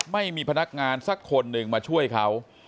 ไม่มีพนักงานสักคนหนึ่งมาช่วยเขา